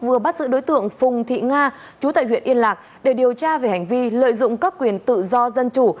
vừa bắt giữ đối tượng phùng thị nga chú tại huyện yên lạc để điều tra về hành vi lợi dụng các quyền tự do dân chủ